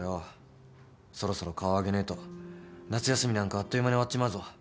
そろそろ顔上げねえと夏休みなんかあっという間に終わっちまうぞ。